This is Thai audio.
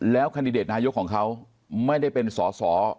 แคนดิเดตนายกของเขาไม่ได้เป็นสอสอ